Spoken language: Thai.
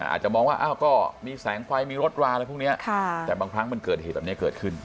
อาจจะมองว่าอ้าวก็มีแสงไฟมีรถราอะไรพวกนี้แต่บางครั้งมันเกิดเหตุแบบนี้เกิดขึ้น